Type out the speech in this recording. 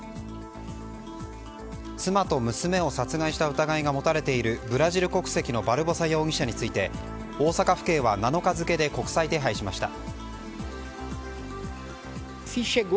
妻と娘を殺害した疑いが持たれているブラジル国籍のバルボサ容疑者について大阪府警は７日付で国際手配しました。